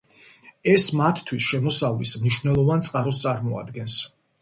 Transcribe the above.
ეს მათთვის შემოსავლის მნიშვნელოვან წყაროს წარმოადგენს.